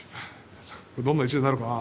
どんな１年になるかな。